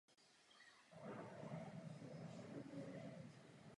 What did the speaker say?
Podobně jako ve většině východních provincií se i v Asii velice brzy rozšířilo křesťanství.